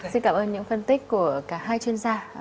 xin cảm ơn những phân tích của cả hai chuyên gia